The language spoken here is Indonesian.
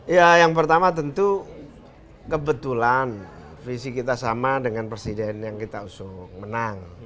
ya yang pertama tentu kebetulan visi kita sama dengan presiden yang kita usung menang